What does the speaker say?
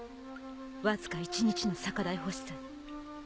わずか一日の酒代欲しさに。